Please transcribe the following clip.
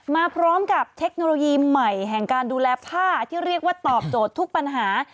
มาพร้อมกับเทคโนโลยีใหม่แห่งการดูแลผ้าที่เรียกว่าตอบโจทย์ทุกปัญหา